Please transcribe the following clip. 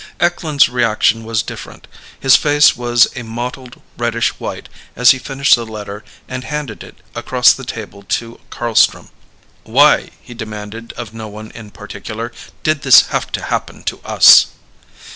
Eklund's reaction was different. His face was a mottled reddish white as he finished the letter and handed it across the table to Carlstrom. "Why," he demanded of no one in particular, "did this have to happen to us?"